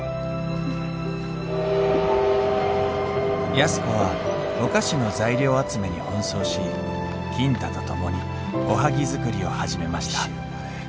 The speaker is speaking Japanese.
安子はお菓子の材料集めに奔走し金太と共におはぎ作りを始めました